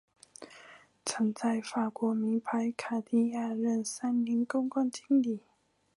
曾在法国名牌卡地亚任三年公关经理。